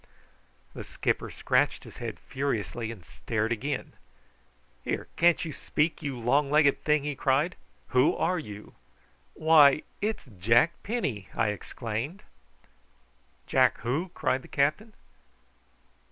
The skipper scratched his head furiously, and stared again. "Here, can't you speak, you long legged thing?" he cried. "Who are you?" "Why, it's Jack Penny!" I exclaimed. "Jack who?" cried the captain.